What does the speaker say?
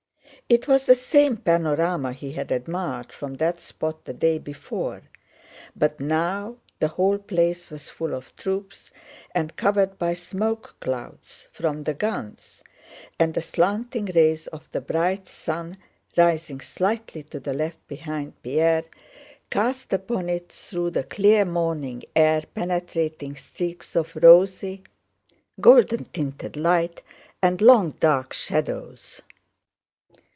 It was the same panorama he had admired from that spot the day before, but now the whole place was full of troops and covered by smoke clouds from the guns, and the slanting rays of the bright sun, rising slightly to the left behind Pierre, cast upon it through the clear morning air penetrating streaks of rosy, golden tinted light and long dark shadows.